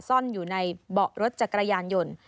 ซ่อนอยู่ในเบาะรถจักรยานยนต์